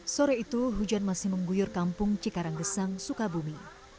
sore itu hujan masih mengguyur kampung cikaranggesang sukabumi